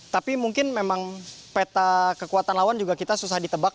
tapi mungkin memang peta kekuatan lawan juga kita susah ditebak